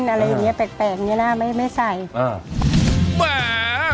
อะไรอย่างเงี้ยแปลกแปลกอย่างเงี้ยน่ะไม่ไม่ใส่อ่าแหมมัน